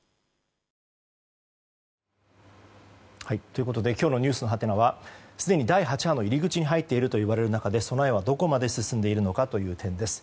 ということで今日のｎｅｗｓのハテナはすでに第８波の入り口に入っているといわれる中で備えはどこまで進んでいるのかという点です。